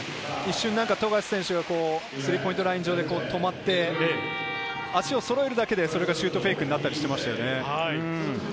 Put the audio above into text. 一瞬、富樫選手がスリーポイント上で止まって、足をそろえるだけで、それがシュートフェイクになったりしていましたよね。